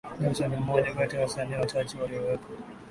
Jackson ni mmoja kati ya wasanii wachache waliowekwa